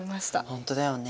本当だよね。